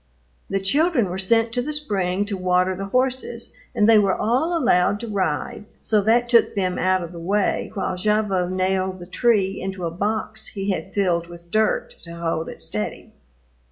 The children were sent to the spring to water the horses and they were all allowed to ride, so that took them out of the way while Gavotte nailed the tree into a box he had filled with dirt to hold it steady.